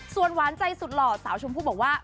ส่วนหวานใจสุดหล่อสาวชมพู่บอกว่า